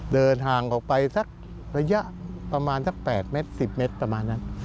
เดินห่างออกไปสักระยะประมาณสัก๘เมตร๑๐เมตรประมาณนั้น